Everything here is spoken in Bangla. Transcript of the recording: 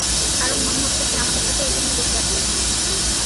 কারণ মনে হচ্ছে সে আমাদের সাথে এখানেই বসে আছে।